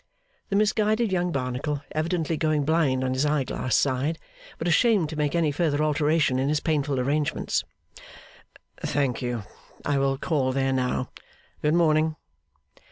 (The misguided young Barnacle evidently going blind on his eye glass side, but ashamed to make any further alteration in his painful arrangements.) 'Thank you. I will call there now. Good morning.